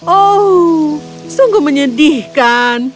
oh sungguh menyedihkan